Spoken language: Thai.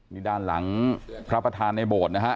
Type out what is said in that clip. นี่ด้านหลังพระประธานในโบสถ์นะฮะ